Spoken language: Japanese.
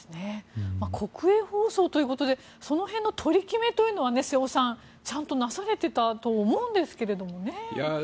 国営放送ということでその辺の取り決めというのは瀬尾さん、ちゃんとなされてたと思うんですけれどもね。